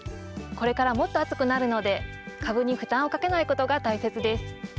これからもっと暑くなるので株に負担をかけない事が大切です。